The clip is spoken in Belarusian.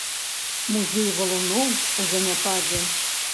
Музей валуноў у заняпадзе.